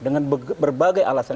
dengan berbagai alasan